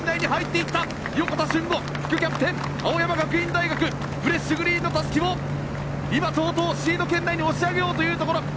横田俊吾、副キャプテン青山学院大学フレッシュグリーンのたすきをシード圏内に押し上げようというところ。